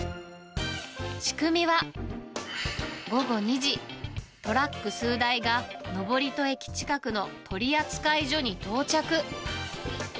仕組みは、午後２時、トラック数台が登戸駅近くの取扱所に到着。